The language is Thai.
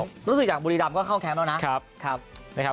ก็หลายสโมสรรู้สึกจากบุรีดำก็เข้าแคมป์แล้วนะ